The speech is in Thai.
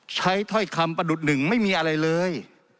ถ้อยคำประดุษหนึ่งไม่มีอะไรเลย